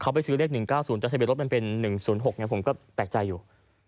เขาไปซื้อเลข๑๙๐จัดใช้เปรียบรถเป็น๑๐๖ผมก็แปลกใจอยู่